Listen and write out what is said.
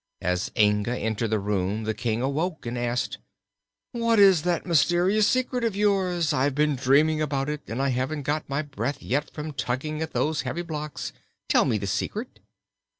As Inga entered the room the King awoke and asked: "What is that mysterious secret of yours? I've been dreaming about it, and I haven't got my breath yet from tugging at those heavy blocks. Tell me the secret."